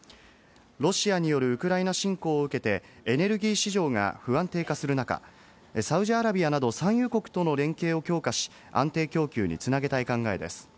ロシアによるウクライナ侵攻を受けてエネルギー市場が不安定化する中、サウジアラビアなど産油国との連携を強化し、安定供給に繋げたい考えです。